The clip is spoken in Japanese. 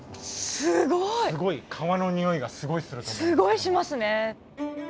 すごいしますね。